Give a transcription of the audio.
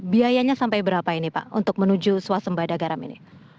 biayanya sampai berapa ini pak untuk menuju swasembada garam ini